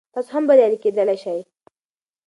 تاسو هم بریالی کیدلی شئ.